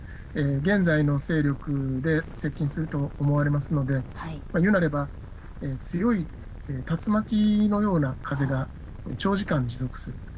現在の勢力で接近すると思われますので、いうなれば、強い竜巻のような風が長時間持続すると。